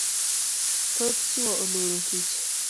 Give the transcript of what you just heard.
Thoth chuo oluoro tich